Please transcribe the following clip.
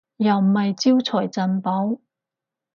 又唔係招財進寶